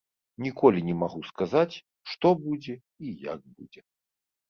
Ніколі не магу сказаць, што будзе і як будзе.